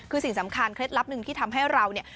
คือสิ่งสำคัญเคล็ดลับหนึ่งที่ทำให้เราเนี่ย